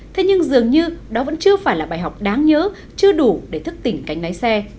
thế nhưng dường như đó vẫn chưa phải là bài học đáng nhớ chưa đủ để thức tỉnh cánh lái xe